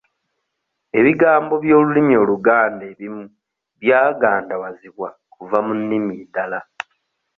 Ebigambo by'olulimi Oluganda ebimu byagandawazibwa kuva mu nnimi endala.